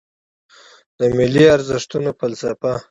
د ملي ارزښتونو فلسفه